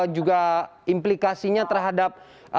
juga implikasinya terhadap